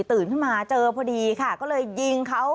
ตื่นขึ้นมาเจอพอดีค่ะก็เลยยิงเขา